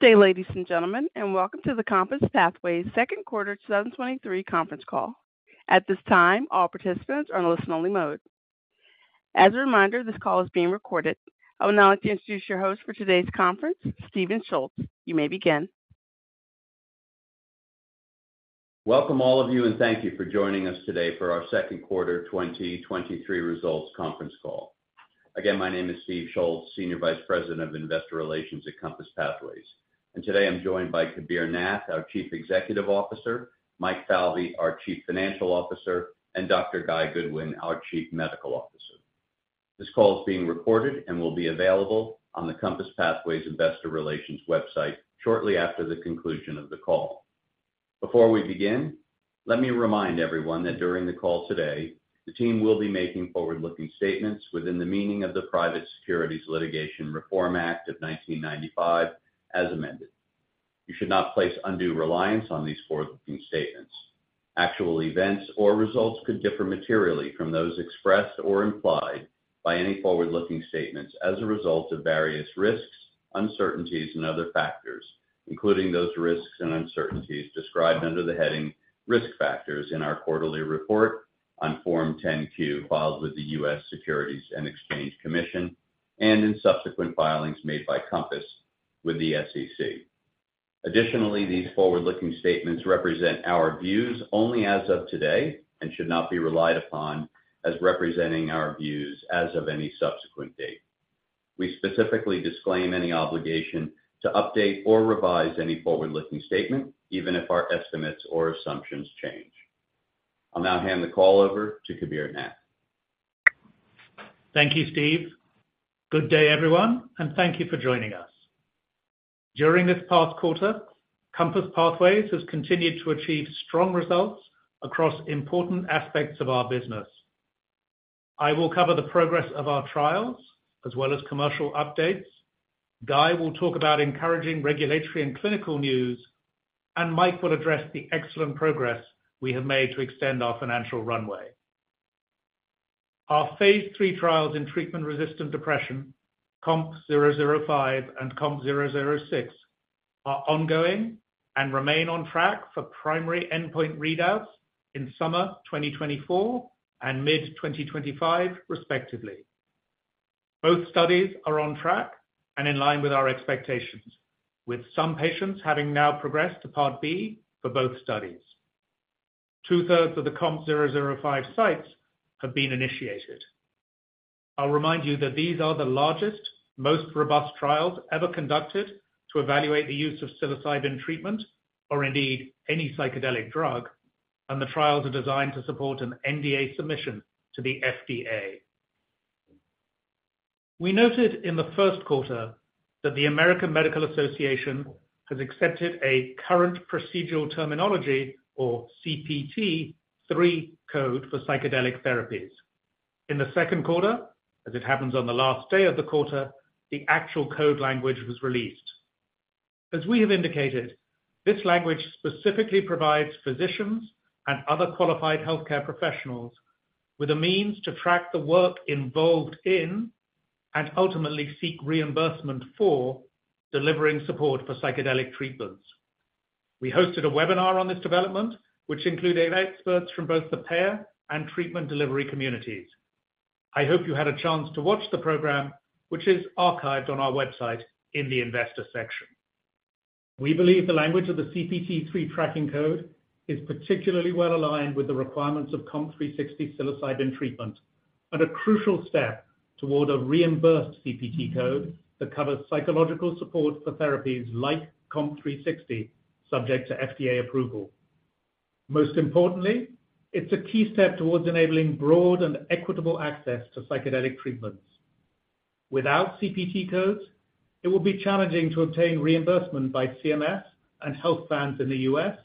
Good day, ladies and gentlemen, and welcome to the COMPASS Pathways second quarter 2023 conference call. At this time, all participants are on listen-only mode. As a reminder, this call is being recorded. I would now like to introduce your host for today's conference, Steve Schultz. You may begin. Welcome, all of you, and thank you for joining us today for our second quarter 2023 results conference call. Again, my name is Steve Schultz, Senior Vice President of Investor Relations at Compass Pathways, and today I'm joined by Kabir Nath, our Chief Executive Officer; Mike Falvey, our Chief Financial Officer; and Dr. Guy Goodwin, our Chief Medical Officer. This call is being recorded and will be available on the Compass Pathways Investor Relations website shortly after the conclusion of the call. Before we begin, let me remind everyone that during the call today, the team will be making forward-looking statements within the meaning of the Private Securities Litigation Reform Act of 1995, as amended. You should not place undue reliance on these forward-looking statements. Actual events or results could differ materially from those expressed or implied by any forward-looking statements as a result of various risks, uncertainties and other factors, including those risks and uncertainties described under the heading Risk Factors in our quarterly report on Form 10-Q, filed with the U.S. Securities and Exchange Commission, and in subsequent filings made by COMPASS with the SEC. Additionally, these forward-looking statements represent our views only as of today and should not be relied upon as representing our views as of any subsequent date. We specifically disclaim any obligation to update or revise any forward-looking statement, even if our estimates or assumptions change. I'll now hand the call over to Kabir Nath. Thank you, Steve. Good day, everyone, and thank you for joining us. During this past quarter, COMPASS Pathways has continued to achieve strong results across important aspects of our business. I will cover the progress of our trials as well as commercial updates. Guy will talk about encouraging regulatory and clinical news, and Mike will address the excellent progress we have made to extend our financial runway. Our phase 3 trials in treatment-resistant depression, COMP005 and COMP006, are ongoing and remain on track for primary endpoint readouts in summer 2024 and mid-2025, respectively. Both studies are on track and in line with our expectations, with some patients having now progressed to part B for both studies. Two-thirds of the COMP005 sites have been initiated. I'll remind you that these are the largest, most robust trials ever conducted to evaluate the use of psilocybin treatment or indeed any psychedelic drug, and the trials are designed to support an NDA submission to the FDA. We noted in the first quarter that the American Medical Association has accepted a current procedural terminology or CPT 3 code for psychedelic therapies. In the second quarter, as it happens on the last day of the quarter, the actual code language was released. As we have indicated, this language specifically provides physicians and other qualified healthcare professionals with a means to track the work involved in and ultimately seek reimbursement for delivering support for psychedelic treatments. We hosted a webinar on this development, which included experts from both the payer and treatment delivery communities. I hope you had a chance to watch the program, which is archived on our website in the investor section. We believe the language of the CPT 3 tracking code is particularly well aligned with the requirements of COMP360 psilocybin treatment and a crucial step toward a reimbursed CPT code that covers psychological support for therapies like COMP360, subject to FDA approval. Most importantly, it's a key step towards enabling broad and equitable access to psychedelic treatments. Without CPT codes, it will be challenging to obtain reimbursement by CMS and health plans in the U.S.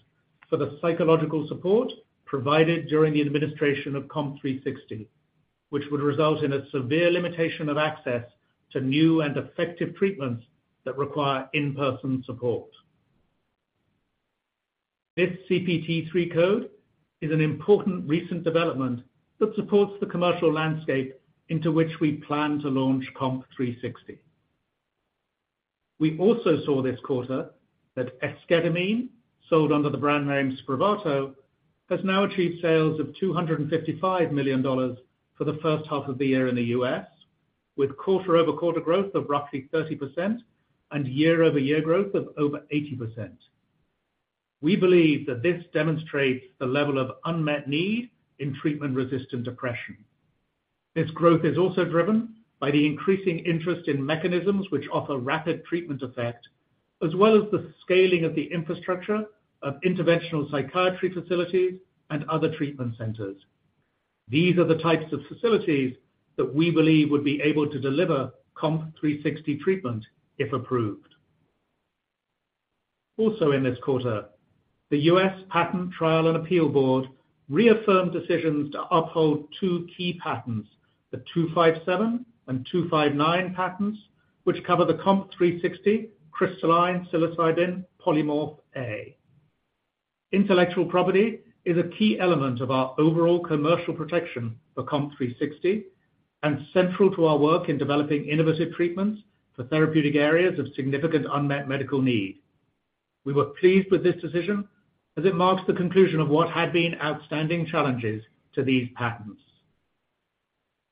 for the psychological support provided during the administration of COMP360, which would result in a severe limitation of access to new and effective treatments that require in-person support. This CPT 3 code is an important recent development that supports the commercial landscape into which we plan to launch COMP360. We also saw this quarter that esketamine, sold under the brand name Spravato, has now achieved sales of $255 million for the first half of the year in the U.S., with quarter-over-quarter growth of roughly 30% and year-over-year growth of over 80%. We believe that this demonstrates the level of unmet need in treatment-resistant depression. This growth is also driven by the increasing interest in mechanisms which offer rapid treatment effect, as well as the scaling of the infrastructure of interventional psychiatry facilities and other treatment centers. These are the types of facilities that we believe would be able to deliver COMP360 treatment if approved. In this quarter, the U.S. Patent Trial and Appeal Board reaffirmed decisions to uphold two key patents, the '257 and '259 patents, which cover the COMP360 crystalline psilocybin Polymorph A. Intellectual property is a key element of our overall commercial protection for COMP360, and central to our work in developing innovative treatments for therapeutic areas of significant unmet medical need. We were pleased with this decision, as it marks the conclusion of what had been outstanding challenges to these patents.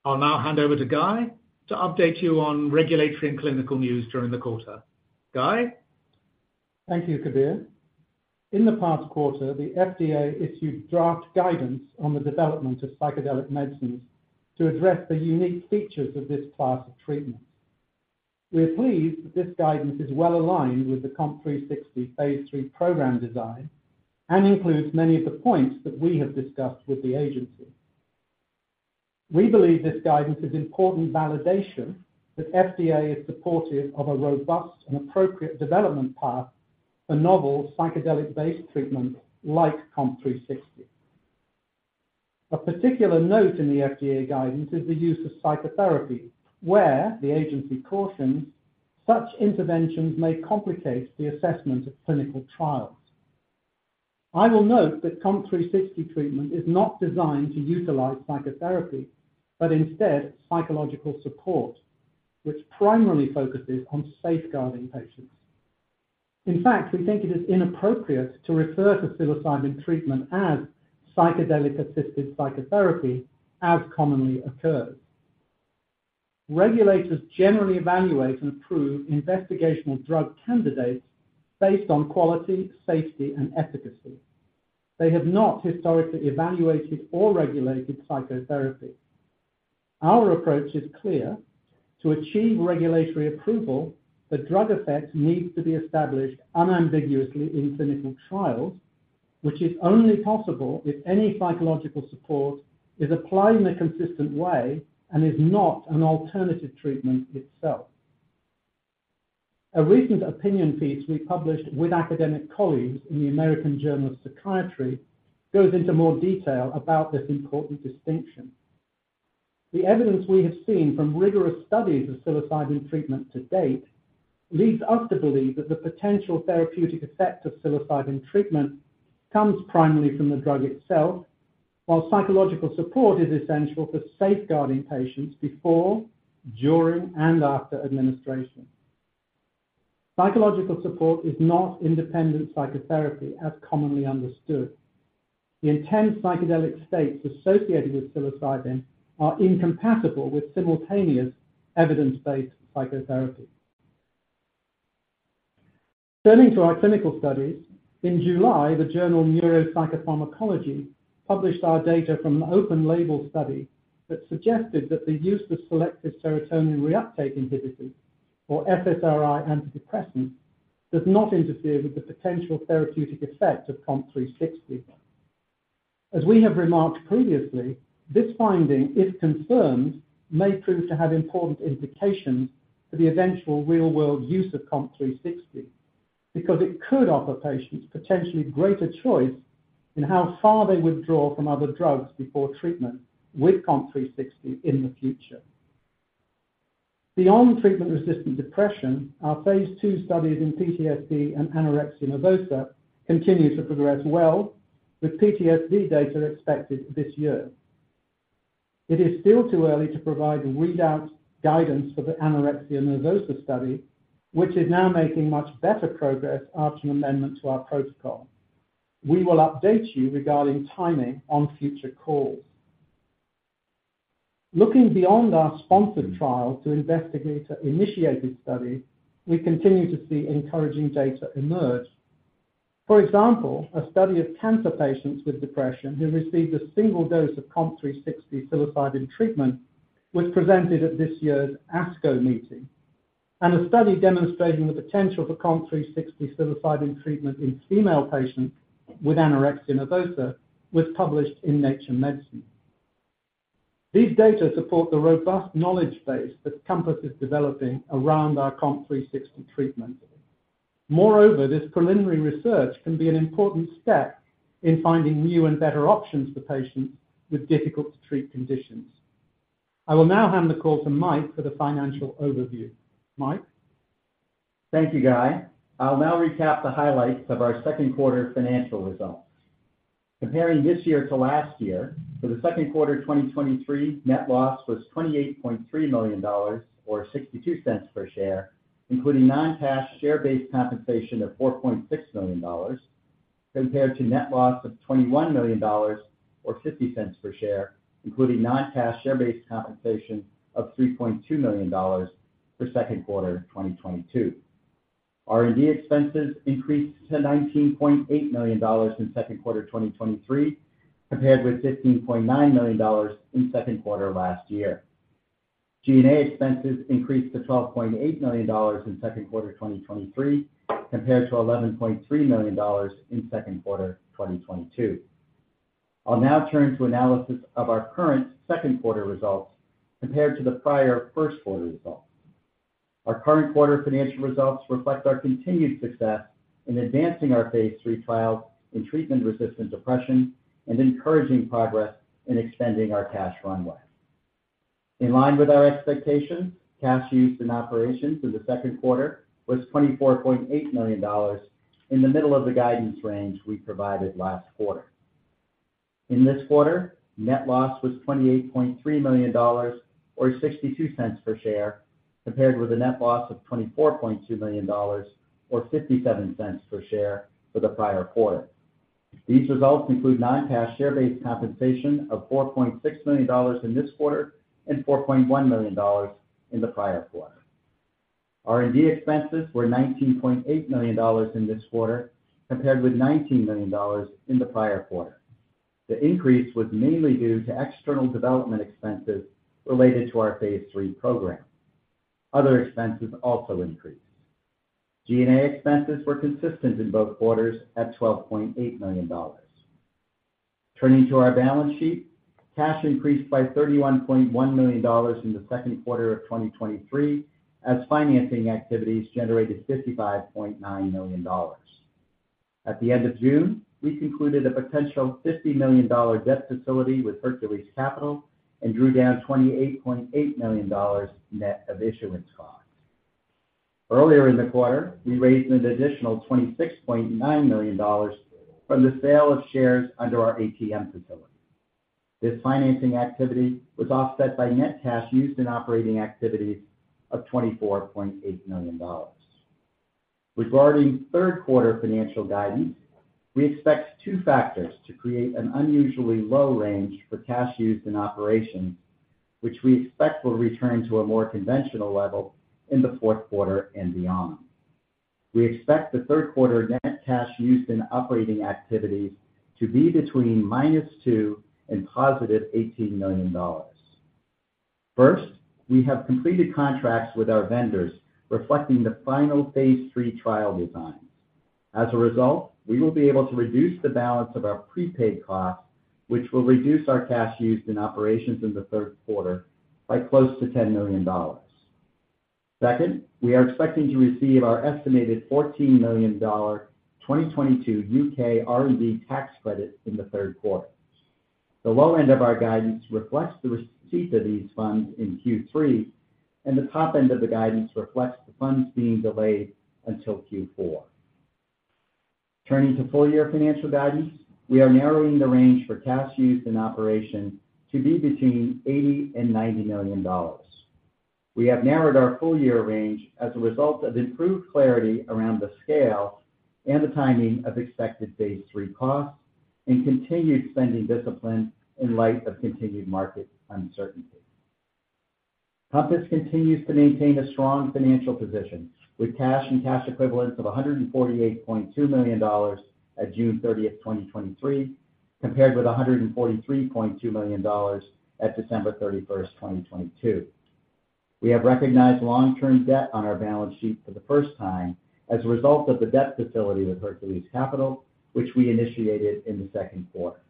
I'll now hand over to Guy to update you on regulatory and clinical news during the quarter. Guy? Thank you, Kabir. In the past quarter, the FDA issued draft guidance on the development of psychedelic medicines to address the unique features of this class of treatment. We are pleased that this guidance is well aligned with the COMP360 Phase 3 program design and includes many of the points that we have discussed with the agency. We believe this guidance is important validation that FDA is supportive of a robust and appropriate development path for novel psychedelic-based treatments like COMP360. Of particular note in the FDA guidance is the use of psychotherapy, where the agency cautions such interventions may complicate the assessment of clinical trials. I will note that COMP360 treatment is not designed to utilize psychotherapy, but instead, psychological support, which primarily focuses on safeguarding patients. In fact, we think it is inappropriate to refer to psilocybin treatment as psychedelic-assisted psychotherapy, as commonly occurs. Regulators generally evaluate and approve investigational drug candidates based on quality, safety, and efficacy. They have not historically evaluated or regulated psychotherapy. Our approach is clear. To achieve regulatory approval, the drug effects need to be established unambiguously in clinical trials, which is only possible if any psychological support is applied in a consistent way and is not an alternative treatment itself. A recent opinion piece we published with academic colleagues in the American Journal of Psychiatry goes into more detail about this important distinction. The evidence we have seen from rigorous studies of psilocybin treatment to date leads us to believe that the potential therapeutic effect of psilocybin treatment comes primarily from the drug itself, while psychological support is essential for safeguarding patients before, during, and after administration. Psychological support is not independent psychotherapy, as commonly understood. The intense psychedelic states associated with psilocybin are incompatible with simultaneous evidence-based psychotherapy. Turning to our clinical studies, in July, the journal Neuropsychopharmacology published our data from an open-label study that suggested that the use of selective serotonin reuptake inhibitors, or SSRI antidepressants, does not interfere with the potential therapeutic effect of COMP360. As we have remarked previously, this finding, if confirmed, may prove to have important implications for the eventual real-world use of COMP360, because it could offer patients potentially greater choice in how far they withdraw from other drugs before treatment with COMP360 in the future. Beyond treatment-resistant depression, our Phase 2 studies in PTSD and anorexia nervosa continue to progress well, with PTSD data expected this year. It is still too early to provide a readout guidance for the anorexia nervosa study, which is now making much better progress after an amendment to our protocol. We will update you regarding timing on future calls. Looking beyond our sponsored trial to investigator-initiated study, we continue to see encouraging data emerge. For example, a study of cancer patients with depression who received a single dose of COMP360 psilocybin treatment was presented at this year's ASCO meeting. A study demonstrating the potential for COMP360 psilocybin treatment in female patients with anorexia nervosa was published in Nature Medicine. These data support the robust knowledge base that COMPASS is developing around our COMP360 treatment. Moreover, this preliminary research can be an important step in finding new and better options for patients with difficult-to-treat conditions. I will now hand the call to Mike for the financial overview. Mike? Thank you, Guy. I'll now recap the highlights of our second quarter financial results. Comparing this year to last year, for the second quarter 2023, net loss was $28.3 million, or $0.62 per share, including non-cash share-based compensation of $4.6 million, compared to net loss of $21 million, or $0.50 per share, including non-cash share-based compensation of $3.2 million for second quarter 2022. R&D expenses increased to $19.8 million in second quarter 2023, compared with $15.9 million in second quarter last year. G&A expenses increased to $12.8 million in second quarter 2023, compared to $11.3 million in second quarter 2022. I'll now turn to analysis of our current second quarter results compared to the prior first quarter results. Our current quarter financial results reflect our continued success in advancing our phase 3 trial in treatment-resistant depression and encouraging progress in extending our cash runway. In line with our expectation, cash used in operations in the second quarter was $24.8 million, in the middle of the guidance range we provided last quarter. In this quarter, net loss was $28.3 million, or $0.62 per share, compared with a net loss of $24.2 million, or $0.57 per share for the prior quarter. These results include non-cash share-based compensation of $4.6 million in this quarter and $4.1 million in the prior quarter. R&D expenses were $19.8 million in this quarter, compared with $19 million in the prior quarter. The increase was mainly due to external development expenses related to our Phase 3 program. Other expenses also increased. G&A expenses were consistent in both quarters at $12.8 million. Turning to our balance sheet, cash increased by $31.1 million in the second quarter of 2023, as financing activities generated $55.9 million. At the end of June, we concluded a potential $50 million debt facility with Hercules Capital and drew down $28.8 million net of issuance costs. Earlier in the quarter, we raised an additional $26.9 million from the sale of shares under our ATM facility. This financing activity was offset by net cash used in operating activities of $24.8 million. Regarding third quarter financial guidance, we expect two factors to create an unusually low range for cash used in operations, which we expect will return to a more conventional level in the fourth quarter and beyond. We expect the third quarter net cash used in operating activities to be between -$2 million and positive $18 million. First, we have completed contracts with our vendors reflecting the final Phase 3 trial designs. As a result, we will be able to reduce the balance of our prepaid costs, which will reduce our cash used in operations in the third quarter by close to $10 million. Second, we are expecting to receive our estimated $14 million 2022 UK R&D tax credit in the third quarter. The low end of our guidance reflects the receipt of these funds in Q3, and the top end of the guidance reflects the funds being delayed until Q4. Turning to full-year financial guidance, we are narrowing the range for cash used in operation to be between $80 million and $90 million. We have narrowed our full-year range as a result of improved clarity around the scale and the timing of expected Phase 3 costs and continued spending discipline in light of continued market uncertainty. Compass continues to maintain a strong financial position, with cash and cash equivalents of $148.2 million at June 30, 2023, compared with $143.2 million at December 31, 2022. We have recognized long-term debt on our balance sheet for the first time as a result of the debt facility with Hercules Capital, which we initiated in the second quarter.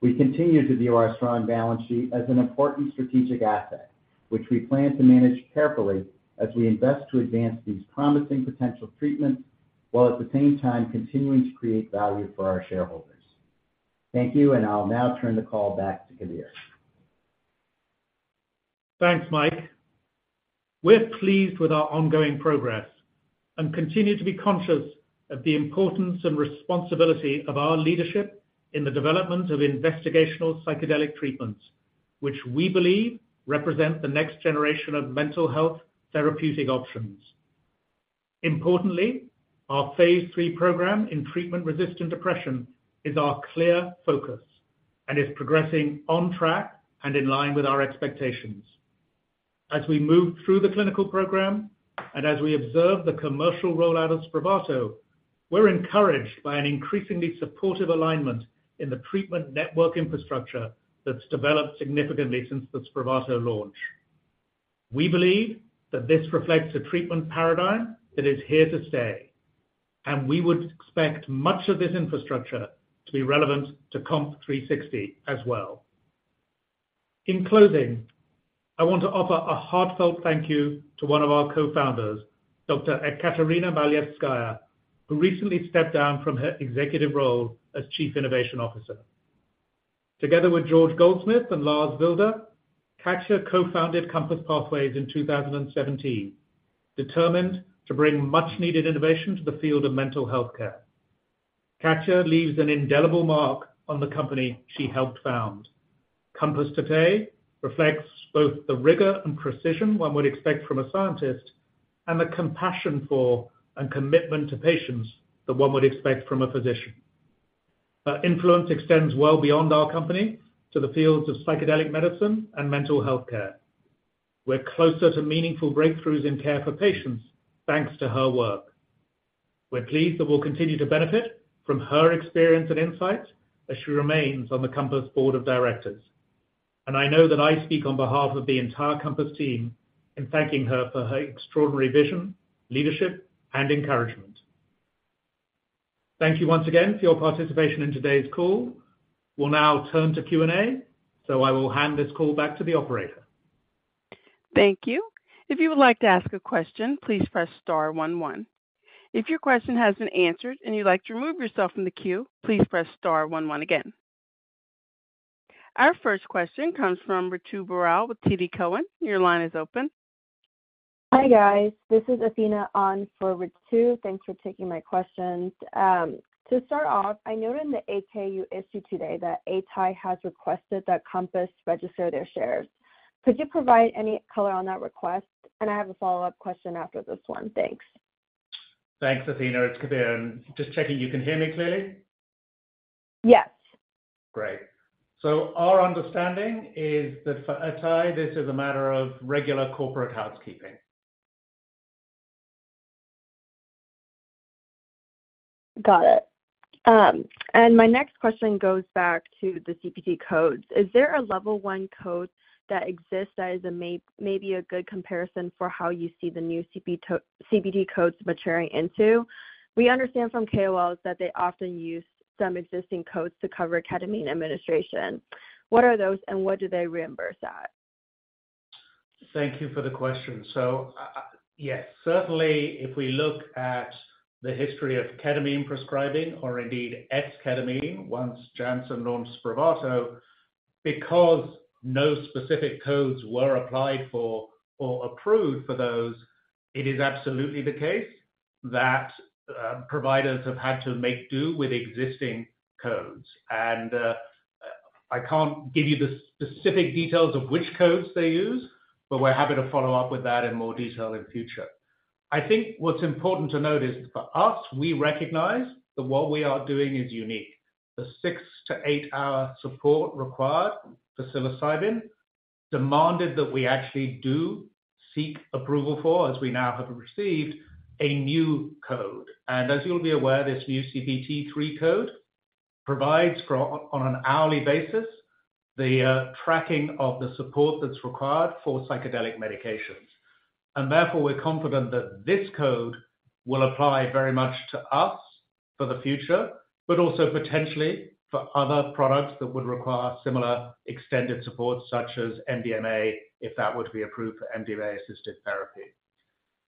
We continue to view our strong balance sheet as an important strategic asset, which we plan to manage carefully as we invest to advance these promising potential treatments, while at the same time continuing to create value for our shareholders. Thank you, and I'll now turn the call back to Kabir. Thanks, Mike. We're pleased with our ongoing progress and continue to be conscious of the importance and responsibility of our leadership in the development of investigational psychedelic treatments, which we believe represent the next generation of mental health therapeutic options. Importantly, our phase Three program in treatment-resistant depression is our clear focus and is progressing on track and in line with our expectations. As we move through the clinical program, and as we observe the commercial rollout of Spravato, we're encouraged by an increasingly supportive alignment in the treatment network infrastructure that's developed significantly since the Spravato launch. We believe that this reflects a treatment paradigm that is here to stay, and we would expect much of this infrastructure to be relevant to COMP360 as well. In closing, I want to offer a heartfelt thank you to one of our cofounders, Dr. Ekaterina Malievskaia, who recently stepped down from her executive role as Chief Innovation Officer. Together with George Goldsmith and Lars Wilde, Katya co-founded COMPASS Pathways in 2017, determined to bring much-needed innovation to the field of mental health care. Katya leaves an indelible mark on the company she helped found. COMPASS today reflects both the rigor and precision one would expect from a scientist and the compassion for and commitment to patients that one would expect from a physician. Her influence extends well beyond our company to the fields of psychedelic medicine and mental health care. We're closer to meaningful breakthroughs in care for patients, thanks to her work. We're pleased that we'll continue to benefit from her experience and insight as she remains on the COMPASS Board of Directors. I know that I speak on behalf of the entire COMPASS team in thanking her for her extraordinary vision, leadership, and encouragement. Thank you once again for your participation in today's call. We'll now turn to Q&A. I will hand this call back to the operator.... Thank you. If you would like to ask a question, please press star 11. If your question has been answered and you'd like to remove yourself from the queue, please press star 11 again. Our first question comes from Ritu Baral with TD Cowen. Your line is open. Hi, guys. This is Athena on for Ritu. Thanks for taking my questions. To start off, I noted in the 8-K filling today that Atai has requested that Compass register their shares. Could you provide any color on that request? I have a follow-up question after this one. Thanks. Thanks, Athena. It's Kabir. Just checking, you can hear me clearly? Yes. Great. Our understanding is that for atai, this is a matter of regular corporate housekeeping. Got it. My next question goes back to the CPT codes. Is there a level 1 code that exists that is a may, maybe a good comparison for how you see the new CPT codes maturing into? We understand from KOLs that they often use some existing codes to cover ketamine administration. What are those, and what do they reimburse at? Thank you for the question. Yes, certainly, if we look at the history of ketamine prescribing, or indeed esketamine, once Janssen launched Spravato, because no specific codes were applied for or approved for those, it is absolutely the case that providers have had to make do with existing codes. I can't give you the specific details of which codes they use, but we're happy to follow up with that in more detail in future. I think what's important to note is for us, we recognize that what we are doing is unique. The 6 to 8-hour support required for psilocybin demanded that we actually do seek approval for, as we now have received, a new code. As you'll be aware, this new CPT 3 code provides for, on an hourly basis, the tracking of the support that's required for psychedelic medications. Therefore, we're confident that this code will apply very much to us for the future, but also potentially for other products that would require similar extended support, such as MDMA, if that were to be approved for MDMA-assisted therapy.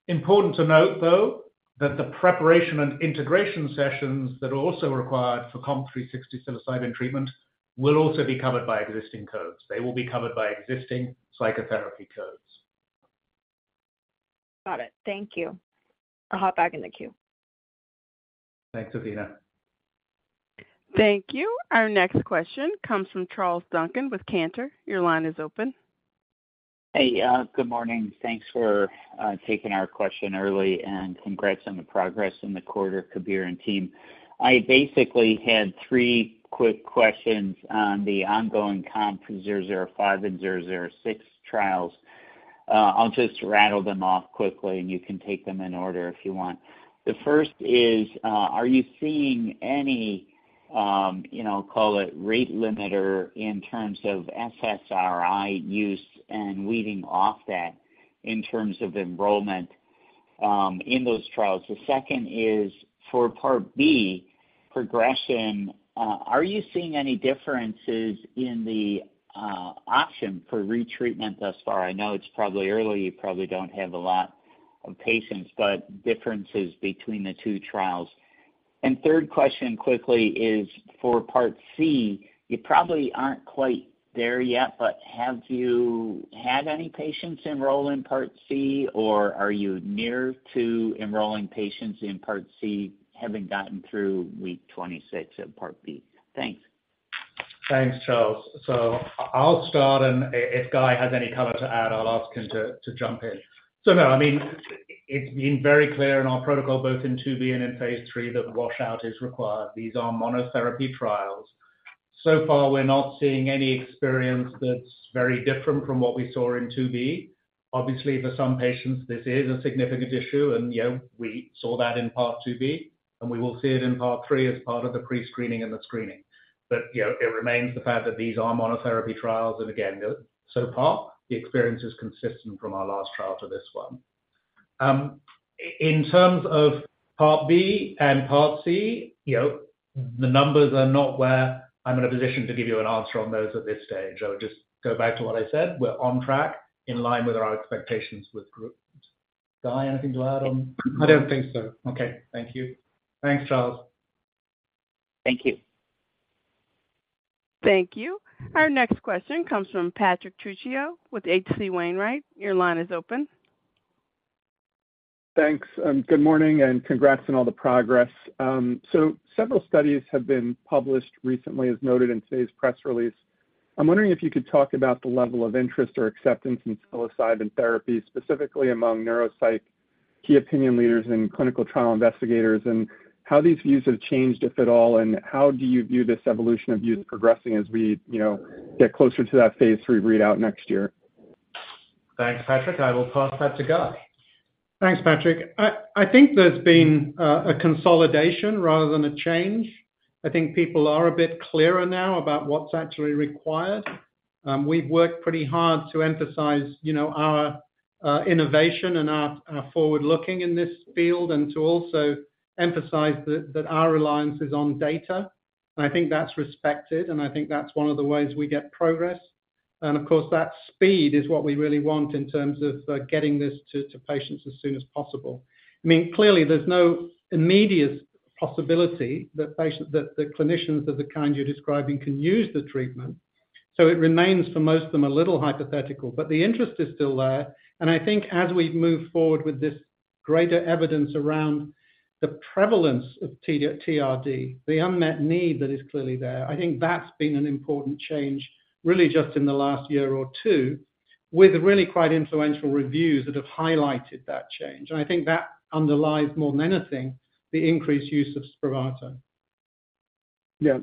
Important to note, though, that the preparation and integration sessions that are also required for COMP360 psilocybin treatment will also be covered by existing codes. They will be covered by existing psychotherapy codes. Got it. Thank you. I'll hop back in the queue. Thanks, Athena. Thank you. Our next question comes from Charles Duncan with Cantor. Your line is open. Hey, good morning. Thanks for taking our question early, and congrats on the progress in the quarter, Kabir and team. I basically had three quick questions on the ongoing COMP005 and COMP006 trials. I'll just rattle them off quickly, and you can take them in order if you want. The first is, are you seeing any, you know, call it rate limiter in terms of SSRI use and weaning off that in terms of enrollment in those trials? The second is, for Part B, progression, are you seeing any differences in the option for retreatment thus far? I know it's probably early, you probably don't have a lot of patients, but differences between the two trials. Third question, quickly, is for Part C, you probably aren't quite there yet, but have you had any patients enroll in Part C, or are you near to enrolling patients in Part C, having gotten through week 26 of Part B? Thanks. Thanks, Charles. I'll start, and if Guy has any color to add, I'll ask him to jump in. No, I mean, it's been very clear in our protocol, both in two B and in phase 3, that washout is required. These are monotherapy trials. So far, we're not seeing any experience that's very different from what we saw in two B. Obviously, for some patients, this is a significant issue, and, you know, we saw that in part two B, and we will see it in part 3 as part of the pre-screening and the screening. You know, it remains the fact that these are monotherapy trials and again, so far, the experience is consistent from our last trial to this one. In terms of part B and part C, you know, the numbers are not where I'm in a position to give you an answer on those at this stage. I would just go back to what I said, we're on track in line with our expectations with groups. Guy, anything to add on? I don't think so. Okay. Thank you. Thanks, Charles. Thank you. Thank you. Our next question comes from Patrick Trucchio with H.C. Wainwright. Your line is open. Thanks. Good morning, and congrats on all the progress. Several studies have been published recently, as noted in today's press release. I'm wondering if you could talk about the level of interest or acceptance in psilocybin therapy, specifically among neuropsych, key opinion leaders and clinical trial investigators, and how these views have changed, if at all, and how do you view this evolution of views progressing as we, you know, get closer to that phase 3 readout next year? Thanks, Patrick. I will pass that to Guy. Thanks, Patrick. I think there's been a consolidation rather than a change. I think people are a bit clearer now about what's actually required. We've worked pretty hard to emphasize, you know, our innovation and our forward-looking in this field, and to also emphasize that our reliance is on data. I think that's respected, and I think that's one of the ways we get progress. Of course, that speed is what we really want in terms of getting this to patients as soon as possible. I mean, clearly, there's no immediate possibility that patients that the clinicians of the kind you're describing can use the treatment, so it remains, for most of them, a little hypothetical. The interest is still there, and I think as we move forward with this greater evidence around the prevalence of TRD, the unmet need that is clearly there, I think that's been an important change, really, just in the last year or two, with really quite influential reviews that have highlighted that change. I think that underlies, more than anything, the increased use of Spravato. Yeah.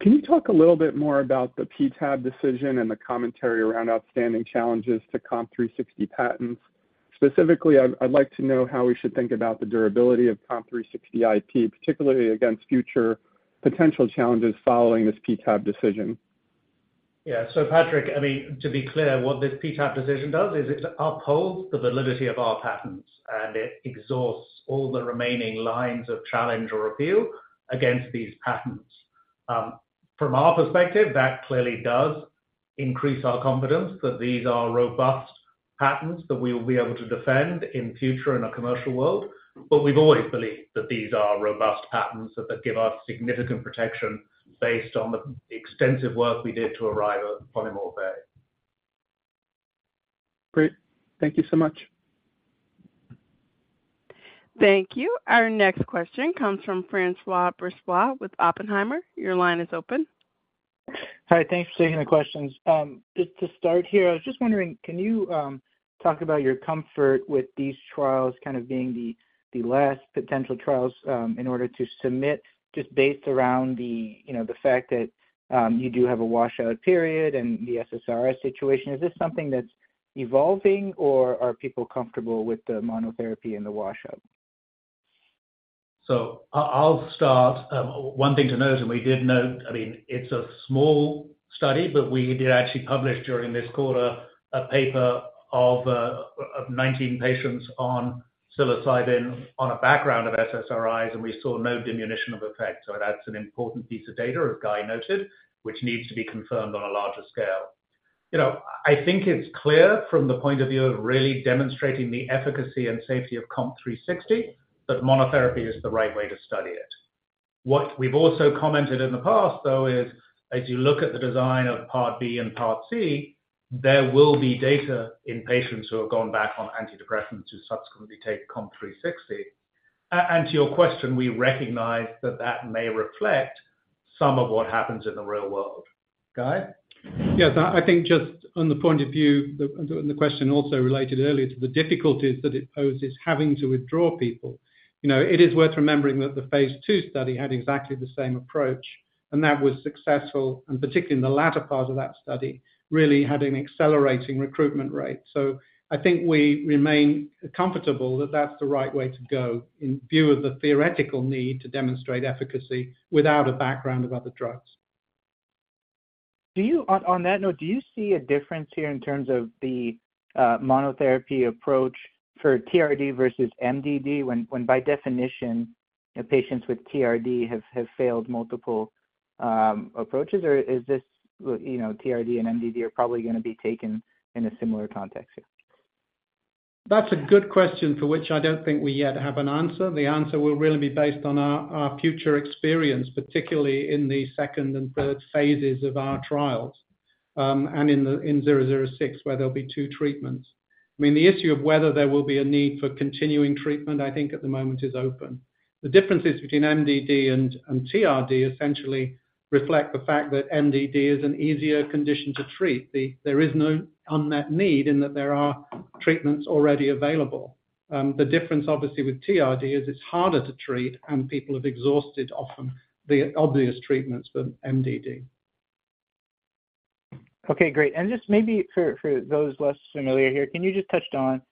Can you talk a little bit more about the PTAB decision and the commentary around outstanding challenges to COMP360 patents? Specifically, I'd like to know how we should think about the durability of COMP360 IP, particularly against future potential challenges following this PTAB decision. Yeah. Patrick, I mean, to be clear, what this PTAB decision does is it upholds the validity of our patents, and it exhausts all the remaining lines of challenge or appeal against these patents. From our perspective, that clearly does increase our confidence that these are robust patents that we will be able to defend in future in a commercial world. We've always believed that these are robust patents that, that give us significant protection based on the extensive work we did to arrive at Polymorph A. Great. Thank you so much. Thank you. Our next question comes from François Brisebois with Oppenheimer. Your line is open. Hi, thanks for taking the questions. Just to start here, I was just wondering, can you talk about your comfort with these trials kind of being the, the last potential trials, in order to submit, just based around the, you know, the fact that, you do have a washout period and the SSRI situation? Is this something that's evolving, or are people comfortable with the monotherapy and the washout? I, I'll start. One thing to note, and we did note, I mean, it's a small study, but we did actually publish during this quarter, a paper of 19 patients on psilocybin on a background of SSRIs, and we saw no diminution of effect. That's an important piece of data, as Guy noted, which needs to be confirmed on a larger scale. You know, I think it's clear from the point of view of really demonstrating the efficacy and safety of COMP360, that monotherapy is the right way to study it. What we've also commented in the past, though, is as you look at the design of Part B and Part C, there will be data in patients who have gone back on antidepressants who subsequently take COMP360. To your question, we recognize that that may reflect some of what happens in the real world. Guy? Yes, I think just on the point of view, and the question also related earlier to the difficulties that it poses, having to withdraw people. You know, it is worth remembering that the phase 2 study had exactly the same approach, and that was successful, and particularly in the latter part of that study, really had an accelerating recruitment rate. I think we remain comfortable that that's the right way to go in view of the theoretical need to demonstrate efficacy without a background of other drugs. Do you On that note, do you see a difference here in terms of the monotherapy approach for TRD versus MDD, when by definition, the patients with TRD have failed multiple approaches? Or is this, you know, TRD and MDD are probably going to be taken in a similar context here? That's a good question, for which I don't think we yet have an answer. The answer will really be based on our, our future experience, particularly in the second and third phases of our trials, and in the, in 006, where there'll be two treatments. I mean, the issue of whether there will be a need for continuing treatment, I think at the moment is open. The differences between MDD and TRD essentially reflect the fact that MDD is an easier condition to treat. There is no unmet need in that there are treatments already available. The difference, obviously, with TRD is it's harder to treat, and people have exhausted often the obvious treatments for MDD. Okay, great. Just maybe for, for those less familiar here, can you just touch on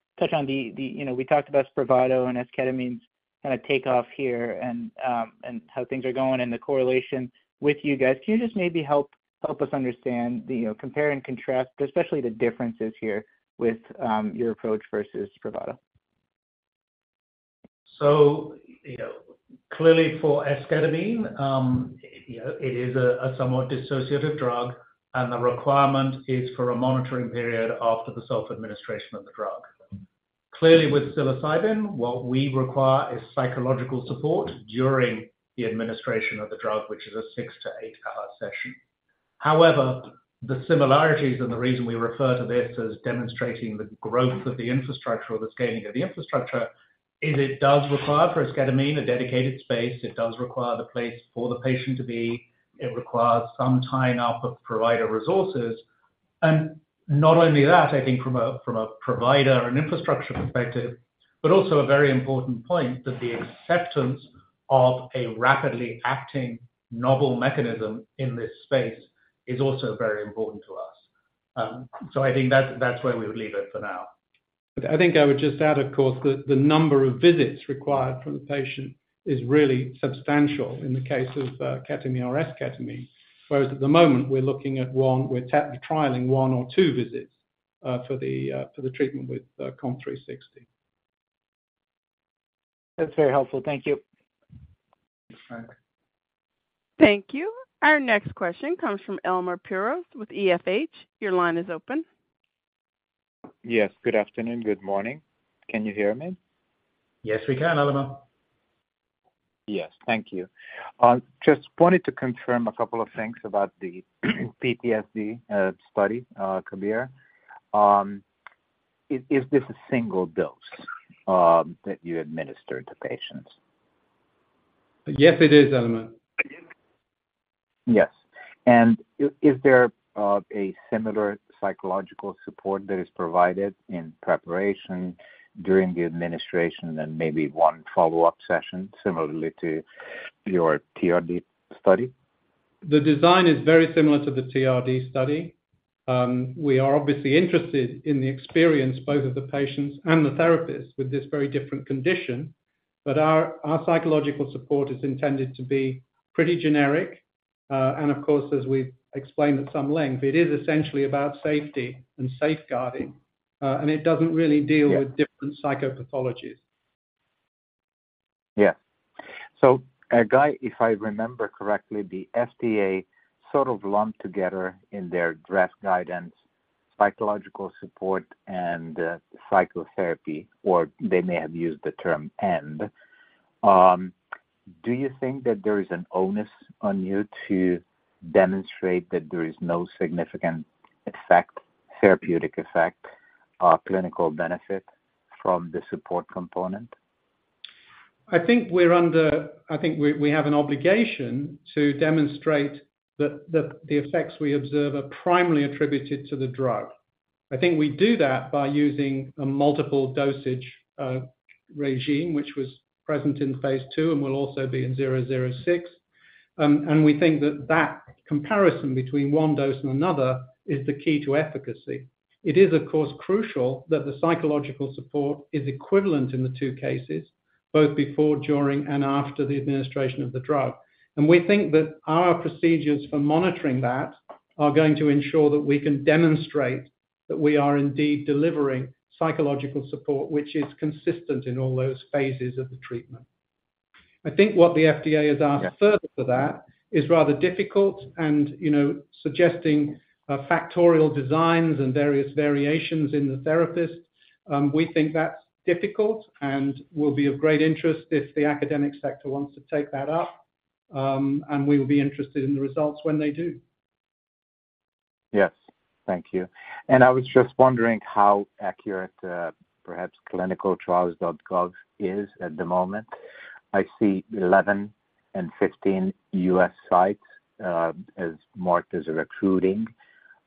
the, you know, we talked about Spravato and esketamine's kind of takeoff here and how things are going and the correlation with you guys. Can you just maybe help us understand the, you know, compare and contrast, especially the differences here with your approach versus Spravato? You know, clearly for esketamine, you know, it is a, a somewhat dissociative drug, and the requirement is for a monitoring period after the self-administration of the drug. Clearly, with psilocybin, what we require is psychological support during the administration of the drug, which is a six to eight-hour session. However, the similarities and the reason we refer to this as demonstrating the growth of the infrastructure or the scaling of the infrastructure is it does require, for esketamine, a dedicated space. It does require the place for the patient to be. It requires some tying up of provider resources. Not only that, I think from a, from a provider and infrastructure perspective, but also a very important point that the acceptance of a rapidly acting novel mechanism in this space is also very important to us. I think that's, that's where we would leave it for now. I think I would just add, of course, that the number of visits required from the patient is really substantial in the case of ketamine or esketamine. Whereas at the moment, we're looking at trialing one or two visits for the treatment with COMP360. That's very helpful. Thank you. Thank you. Our next question comes from Elemer Piros with EFH. Your line is open. Yes, good afternoon. Good morning. Can you hear me? Yes, we can, Elemer. Yes, thank you. Just wanted to confirm a couple of things about the PTSD study, Kabir. Is this a single dose that you administer to patients? Yes, it is, Elemer. Yes. Is there a similar psychological support that is provided in preparation during the administration and maybe one follow-up session, similarly to your TRD study? The design is very similar to the TRD study. We are obviously interested in the experience, both of the patients and the therapists, with this very different condition. Our, our psychological support is intended to be pretty generic. Of course, as we've explained at some length, it is essentially about safety and safeguarding, and it doesn't really deal- Yes. with different psychopathologies. Yes. Guy, if I remember correctly, the FDA sort of lumped together in their draft guidance, psychological support and, psychotherapy, or they may have used the term "and." Do you think that there is an onus on you to demonstrate that there is no significant effect, therapeutic effect, or clinical benefit from the support component? I think we, we have an obligation to demonstrate that the, the effects we observe are primarily attributed to the drug. I think we do that by using a multiple dosage, regime, which was present in phase 2 and will also be in 006. We think that that comparison between one dose and another is the key to efficacy. It is, of course, crucial that the psychological support is equivalent in the two cases, both before, during, and after the administration of the drug. We think that our procedures for monitoring that are going to ensure that we can demonstrate that we are indeed delivering psychological support, which is consistent in all those phases of the treatment. I think what the FDA has asked- Yes. further for that is rather difficult and, you know, suggesting, factorial designs and various variations in the therapist. We think that's difficult and will be of great interest if the academic sector wants to take that up. We will be interested in the results when they do. Yes. Thank you. I was just wondering how accurate, perhaps ClinicalTrials.gov is at the moment. I see 11 and 15 U.S. sites, as marked as recruiting.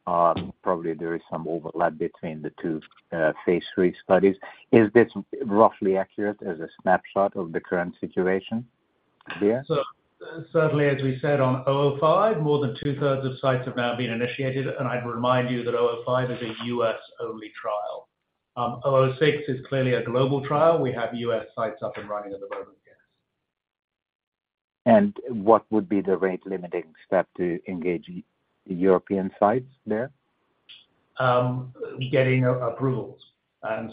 Probably there is some overlap between the 2, phase 3 studies. Is this roughly accurate as a snapshot of the current situation there? Certainly, as we said on COMP005, more than two-thirds of sites have now been initiated, and I'd remind you that COMP005 is a U.S.-only trial. COMP006 is clearly a global trial. We have U.S. sites up and running at the moment, yes. What would be the rate-limiting step to engage the European sites there? Getting approvals.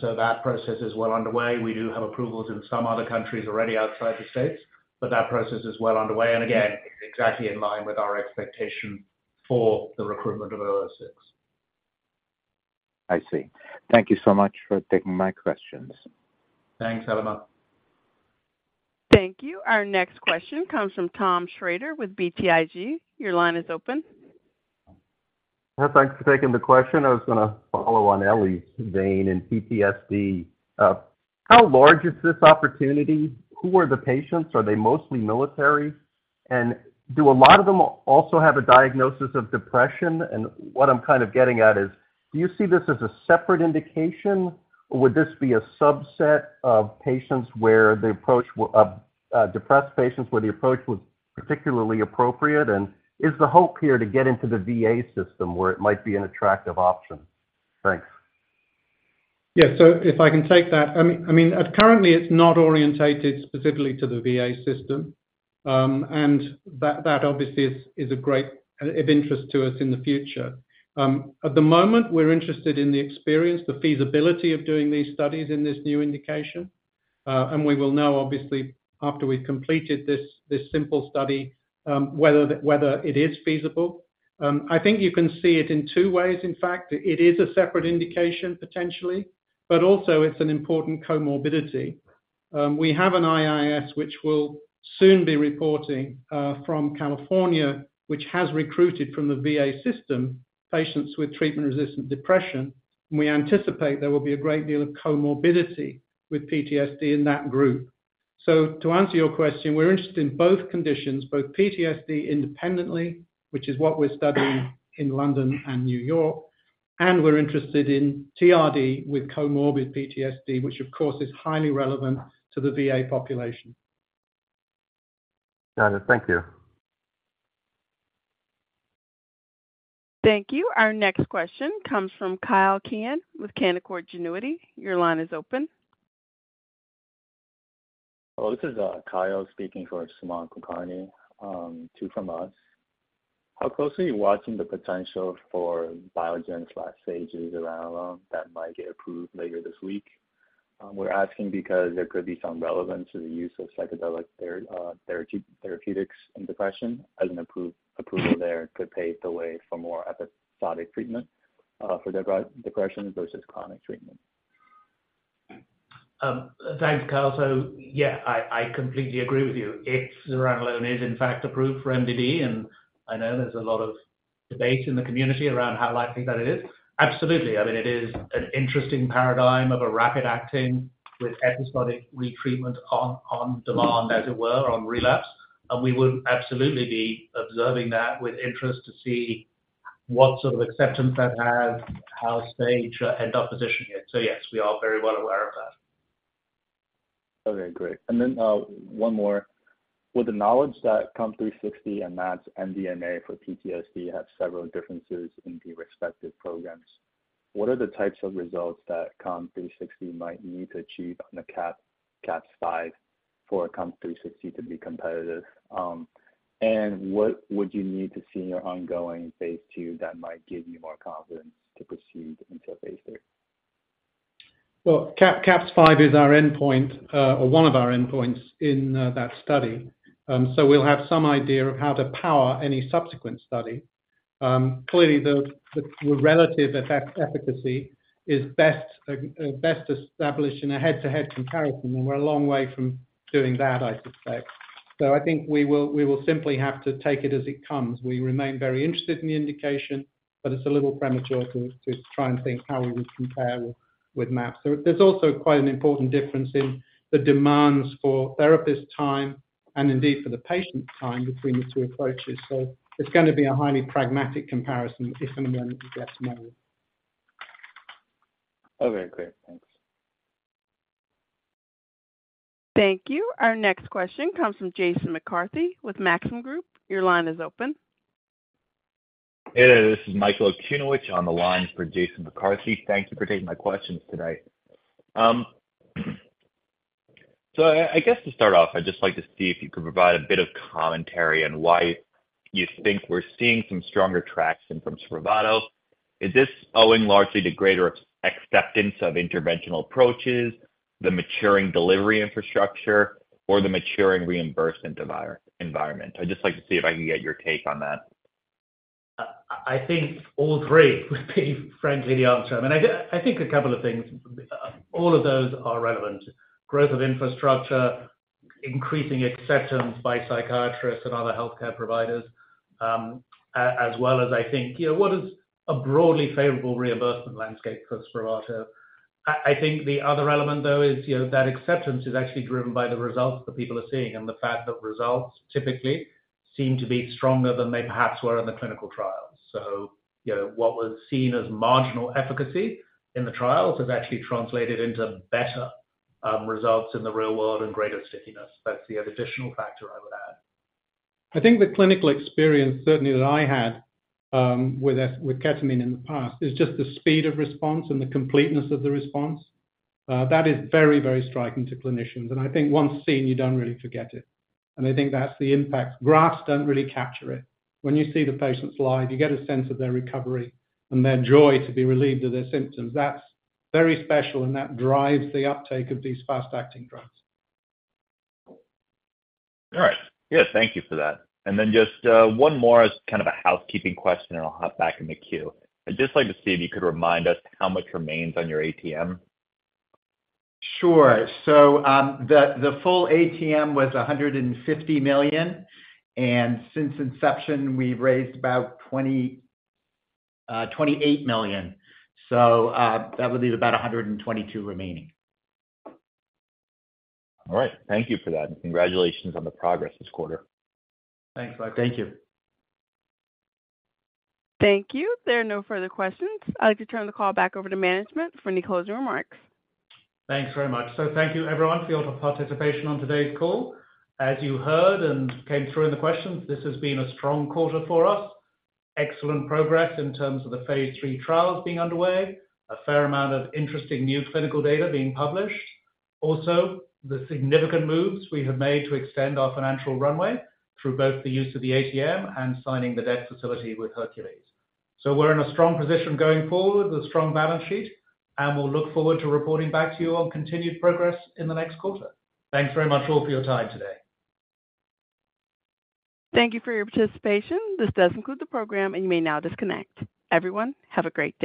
So that process is well underway. We do have approvals in some other countries already outside the States, but that process is well underway, and again, exactly in line with our expectation for the recruitment of COMP006. I see. Thank you so much for taking my questions. Thanks, Elemer. Thank you. Our next question comes from Tom Shrader with BTIG. Your line is open. Thanks for taking the question. I was going to follow on Elemer's vein in PTSD. How large is this opportunity? Who are the patients? Are they mostly military? And do a lot of them also have a diagnosis of depression? And what I'm kind of getting at is, do you see this as a separate indication, or would this be a subset of patients where the approach depressed patients, where the approach was particularly appropriate? And is the hope here to get into the VA system where it might be an attractive option? Thanks. Yes. If I can take that, I mean, I mean, currently, it's not orientated specifically to the V.A. system, and that, that obviously is, is a great of interest to us in the future. At the moment, we're interested in the experience, the feasibility of doing these studies in this new indication. We will know, obviously, after we've completed this, this simple study, whether it is feasible. I think you can see it in two ways. In fact, it is a separate indication, potentially, but also it's an important comorbidity. We have an IIS, which will soon be reporting, from California, which has recruited from the V.A. system, patients with treatment-resistant depression. We anticipate there will be a great deal of comorbidity with PTSD in that group. To answer your question, we're interested in both conditions, both PTSD independently, which is what we're studying in London and New York, and we're interested in TRD with comorbid PTSD, which of course, is highly relevant to the VA population. Got it. Thank you. Thank you. Our next question comes from Kailas Mizusawa with Canaccord Genuity. Your line is open. Hello, this is Kailas speaking for Sumant Kulkarni, 2 from us. How closely are you watching the potential for Biogen's Sage's zuranolone that might get approved later this week? We're asking because there could be some relevance to the use of psychedelic therapeutics in depression, as an approval there could pave the way for more episodic treatment for depression versus chronic treatment. Thanks, Carl. Yeah, I, I completely agree with you. If zuranolone is, in fact, approved for MDD, and I know there's a lot of debate in the community around how likely that it is. Absolutely, I mean, it is an interesting paradigm of a rapid acting with episodic retreatment on, on demand, as it were, on relapse. We would absolutely be observing that with interest to see what sort of acceptance that has, how Sage's, and our position is. Yes, we are very well aware of that. Okay, great. 1 more. With the knowledge that COMP360 and MAPS MDMA for PTSD have several differences in the respective programs, what are the types of results that COMP360 might need to achieve on the CAPS-5 for COMP360 to be competitive? What would you need to see in your ongoing Phase 2 that might give you more confidence to proceed into a Phase 3? Well, CAPS-5 is our endpoint, or one of our endpoints in that study. We'll have some idea of how to power any subsequent study. Clearly, the, the relative effect efficacy is best, best established in a head-to-head comparison, and we're a long way from doing that, I suspect. I think we will, we will simply have to take it as it comes. We remain very interested in the indication, but it's a little premature to, to try and think how we would compare with, with MAPS. There's also quite an important difference in the demands for therapist time, and indeed for the patient time between the two approaches. It's gonna be a highly pragmatic comparison if and when it gets made. Okay, great. Thanks. Thank you. Our next question comes from Jason McCarthy with Maxim Group. Your line is open. Hey there, this is Michael Okunewitch on the line for Jason McCarthy. Thank you for taking my questions tonight. I, I guess to start off, I'd just like to see if you could provide a bit of commentary on why you think we're seeing some stronger traction from Spravato. Is this owing largely to greater acceptance of interventional approaches, the maturing delivery infrastructure, or the maturing reimbursement environment? I'd just like to see if I can get your take on that. I, I think all three would be, frankly, the answer. I mean, I think a couple of things. All of those are relevant. Growth of infrastructure, increasing acceptance by psychiatrists and other healthcare providers, as well as I think, you know, what is a broadly favorable reimbursement landscape for Spravato. I, I think the other element, though, is, you know, that acceptance is actually driven by the results that people are seeing and the fact that results typically seem to be stronger than they perhaps were in the clinical trials. What was seen as marginal efficacy in the trials has actually translated into better results in the real world and greater stickiness. That's the additional factor I would add. I think the clinical experience, certainly, that I had, with ketamine in the past, is just the speed of response and the completeness of the response. That is very, very striking to clinicians, and I think once seen, you don't really forget it. I think that's the impact. Graphs don't really capture it. When you see the patients live, you get a sense of their recovery and their joy to be relieved of their symptoms. That's very special, and that drives the uptake of these fast-acting drugs. All right. Yeah, thank you for that. Then just one more as kind of a housekeeping question, and I'll hop back in the queue. I'd just like to see if you could remind us how much remains on your ATM. Sure. The full ATM was $150 million, and since inception, we've raised about $28 million. That would leave about 122 remaining. All right. Thank you for that, and congratulations on the progress this quarter. Thanks, Michael. Thank you. Thank you. There are no further questions. I'd like to turn the call back over to management for any closing remarks. Thanks very much. Thank you, everyone, for your participation on today's call. As you heard and came through in the questions, this has been a strong quarter for us. Excellent progress in terms of the Phase 3 trials being underway, a fair amount of interesting new clinical data being published. Also, the significant moves we have made to extend our financial runway through both the use of the ATM and signing the debt facility with Hercules. We're in a strong position going forward, a strong balance sheet, and we'll look forward to reporting back to you on continued progress in the next quarter. Thanks very much all for your time today. Thank you for your participation. This does conclude the program, and you may now disconnect. Everyone, have a great day.